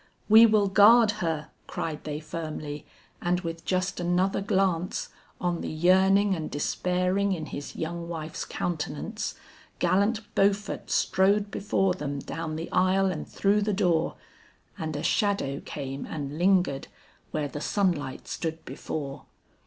"We will guard her," cried they firmly; and with just another glance On the yearning and despairing in his young wife's countenance, Gallant Beaufort strode before them down the aisle and through the door, And a shadow came and lingered where the sunlight stood before.